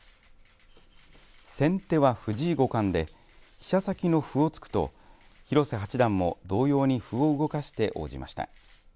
先手は、藤井五冠で飛車先の歩を突くと広瀬八段も同様に歩を動かして応じました。